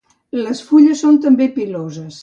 Les fulles són també piloses.